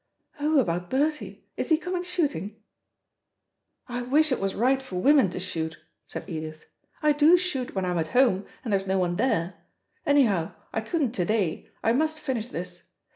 "Oh, about Bertie. Is he coming shooting?". "I wish it was right for women to shoot," said Edith. "I do shoot when I'm at home, and there's no one there. Anyhow I couldn't to day. I must finish this.